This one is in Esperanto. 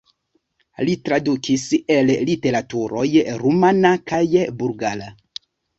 Li tradukis el literaturoj rumana kaj bulgara.